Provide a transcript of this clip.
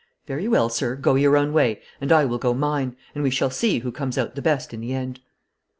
Very well, sir, go your own way and I will go mine, and we shall see who comes out the best in the end.'